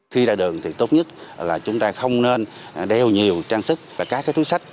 khi ra đường thì tốt nhất là chúng ta không nên đeo nhiều trang sức và các túi sách